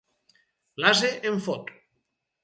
L'ase em fot!